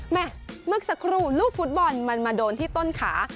เมื่อสักครู่ลูกฟุตบอลมันมาโดนที่ต้นขา